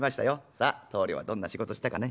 さ棟梁はどんな仕事をしたかね。